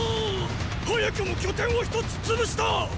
早くも拠点を一つつぶしたっ！